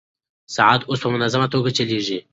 ساعت اوس په منظمه توګه چلېږي.